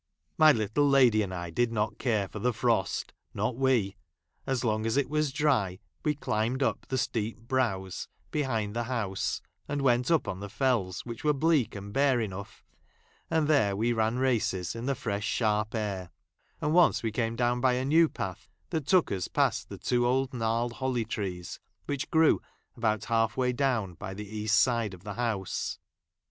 ' My little lady and I did not care for the frost ;— not we ! As long as it was dry we chmbed up the steep brows, behind the house, and went up on the Fells, which Avei'e bleak and bare enough, and there we ran races in the fresh, sharp air ; and once we came down by a new path that took us past the two old gnarled holly trees, which grew about half way down by the east side of the house.